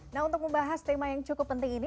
nah untuk membahas tema yang cukup penting ini